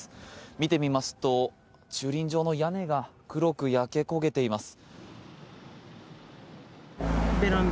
見てみますと、駐輪場の屋根が黒く焼け焦げています。